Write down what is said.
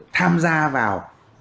tham gia vào